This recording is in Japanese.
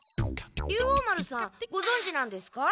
竜王丸さんごぞんじなんですか？